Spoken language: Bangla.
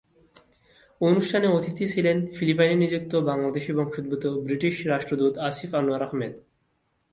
অনুষ্ঠানে অতিথি ছিলেন ফিলিপাইনে নিযুক্ত বাংলাদেশি বংশোদ্ভূত ব্রিটিশ রাষ্ট্রদূত আসিফ আনোয়ার আহমেদ।